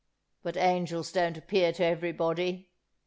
But angels don't appear to everybody.